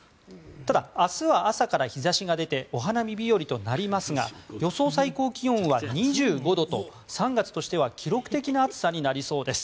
ただ、明日は朝から日差しが出てお花見日和となりますが予想最高気温は２５度と３月としては記録的な暑さになりそうです。